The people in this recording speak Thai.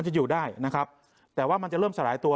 จะอยู่ได้นะครับแต่ว่ามันจะเริ่มสลายตัว